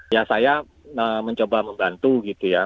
ya saya mencoba membantu gitu ya